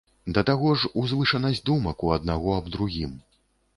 Да таго ж, узвышанасць думак у аднаго аб другім.